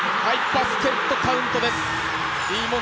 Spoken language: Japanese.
バスケットカウントです。